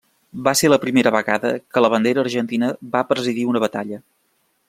Va ser la primera vegada que la bandera argentina va presidir una batalla.